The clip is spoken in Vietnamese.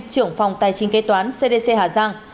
trưởng phòng tài chính kế toán cdc hà giang